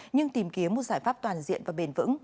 nhưng tìm kiếm một giải pháp toàn diện và bền vững